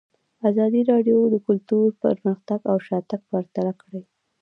ازادي راډیو د کلتور پرمختګ او شاتګ پرتله کړی.